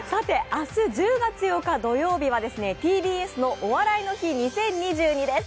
明日１０月８日土曜日はＴＢＳの「お笑いの日２０２２」です。